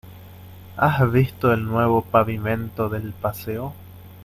¿Has visto el nuevo pavimento del paseo?